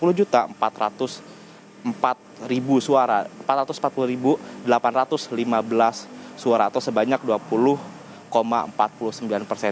lima belas suara atau sebanyak dua puluh empat puluh sembilan persen